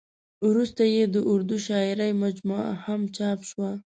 ورسته یې د اردو شاعرۍ مجموعه هم چاپ شوه.